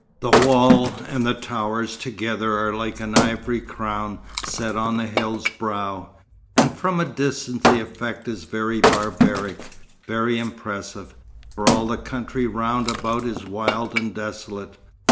The wall and the towers together are like an ivory crown set on the hill's brow, and from a distance the effect is very barbaric, very impressive, for all the country round about is wild and desolate.